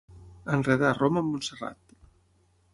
Enredar Roma amb Montserrat.